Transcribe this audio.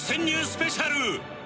スペシャル